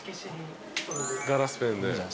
ガラスペンで。